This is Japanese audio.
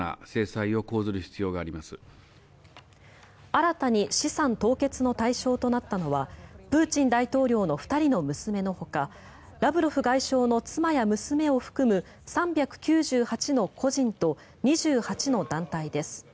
新たに資産凍結の対象となったのはプーチン大統領の２人の娘のほかラブロフ外相の妻や娘を含む３９８の個人と２８の団体です。